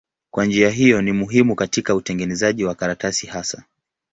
Kwa njia hiyo ni muhimu katika utengenezaji wa karatasi hasa.